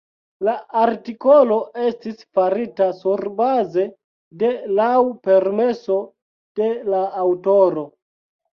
La artikolo estis farita surbaze de laŭ permeso de la aŭtoro.